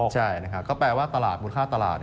ใช่ก็แปลว่าตลาดมูลค่าตลาด